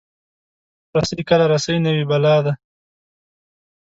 رسۍ کله رسۍ نه وي، بلا ده.